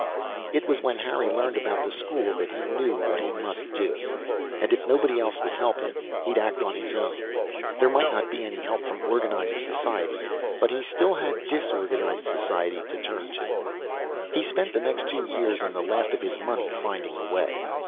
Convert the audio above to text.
It was when Harry learned about the school that he knew what he must do. And if nobody else would help him, he'd act on his own. There might not be any help from organized society, but he still had disorganized society to turn to. He spent the next two years and the last of his money finding a way.